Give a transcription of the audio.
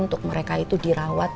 untuk mereka itu dirawat